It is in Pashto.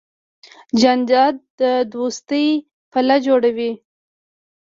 جانداد د دوستۍ پله جوړوي.